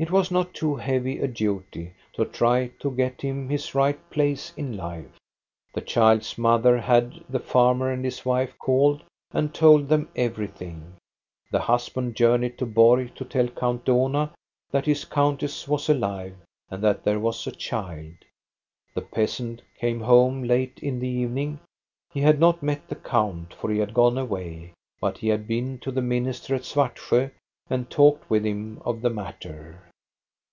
It was not too heavy a duty to try to get him his right place in life. The child's mother had the farmer and his wife called and told them everything. The husband jour neyed to Borg to tell Count Dohna that his countess was alive, and that there was a child. The peasant came home late in the evening ; he had not met the count, for he had gone away, but he had been to the minister at Svartsjo, and talked with him of the matter.